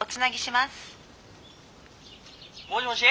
☎もしもし？